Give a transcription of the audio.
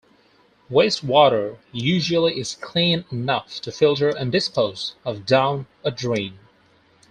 Waste water usually is clean enough to filter and dispose of down a drain.